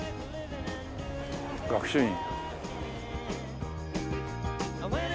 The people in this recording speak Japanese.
学習院。